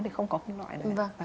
thì không có phân loại